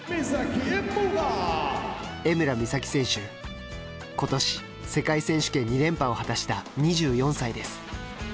江村美咲選手ことし世界選手権２連覇を果たした２４歳です。